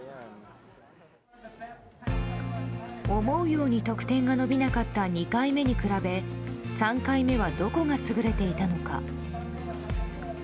思うように得点が伸びなかった２回目に比べ３回目はどこが優れていたのか。